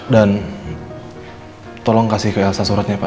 dan tolong kasih ke elsa suratnya pak